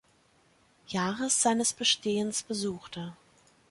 Jahres seines Bestehens besuchte.